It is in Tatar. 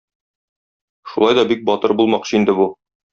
Шулай да бик батыр булмакчы инде бу.